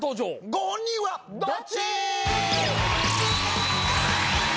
ご本人はどっち？」